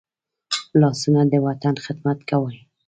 لاسونه د وطن خدمت کوي